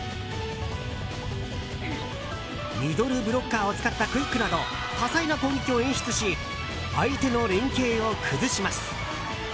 ミドルブロッカーを使ったクイックなど多彩な攻撃を演出し相手の連係を崩します。